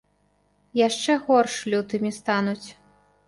Яшчэ горш лютымі стануць.